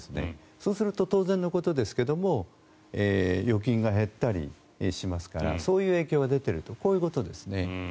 そうすると当然のことですが預金が減ったりしますからそういう影響が出ているということですね。